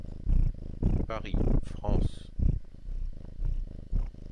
Paris, France.